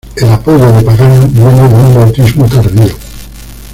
El apodo de "Pagano" viene de un bautismo tardío.